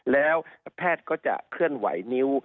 แล้วแพทย์ก็จะเคลื่อนไหวนิ้ว